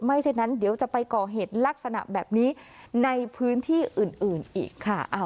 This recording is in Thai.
เช่นนั้นเดี๋ยวจะไปก่อเหตุลักษณะแบบนี้ในพื้นที่อื่นอีกค่ะ